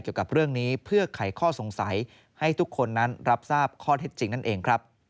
เกี่ยวกับเรื่องนี้เพื่อไขข้อสงสัยให้ทุกคนนั้นรับทราบข้อเท็จจริงนั่นเองครับ